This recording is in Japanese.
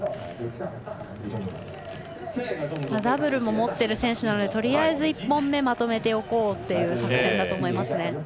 ダブルも持っている選手なのでとりあえず１本目まとめておこうという作戦だと思います。